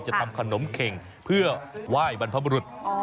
จะทำขนมเข่งเพื่อไหว้บรรพบรุษ